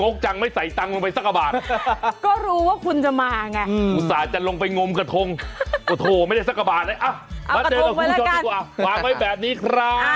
คู่เฉินตัววางไว้แบบนี้ครับ